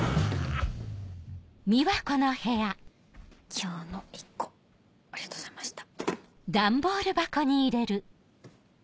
今日の１個ありがとうございました。